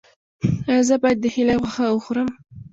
ایا زه باید د هیلۍ غوښه وخورم؟